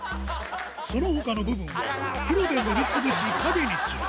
その他の部分は黒で塗りつぶし影にする